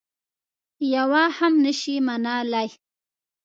یوه هم نه شي منلای.